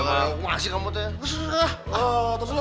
makasih kamu teh